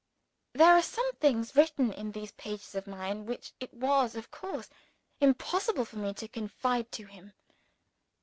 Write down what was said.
There are some things written in these pages of mine which it was, of course, impossible for me to confide to him.